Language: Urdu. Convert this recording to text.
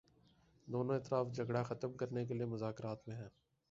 دونوں اطراف جھگڑا ختم کرنے کے لیے مذاکرات میں ہیں